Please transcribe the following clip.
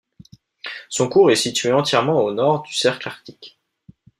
Son cours est situé entièrement au nord du cercle arctique.